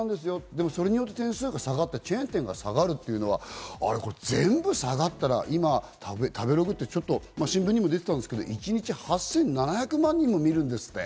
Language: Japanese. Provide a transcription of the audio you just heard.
でも、それによって点数が下がった、チェーン店が下がるというのは全部下がったら、今、食べログって新聞にも出てたんですけど、一日８７００万人も見るんですって。